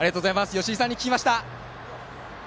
よしいさんに聞きました。